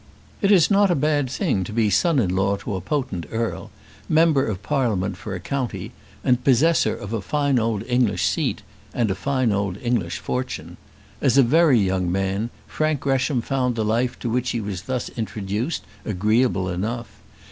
It is not a bad thing to be son in law to a potent earl, member of Parliament for a county, and a possessor of a fine old English seat, and a fine old English fortune. As a very young man, Frank Gresham found the life to which he was thus introduced agreeable enough.